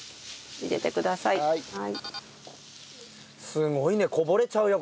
すごいねこぼれちゃうよ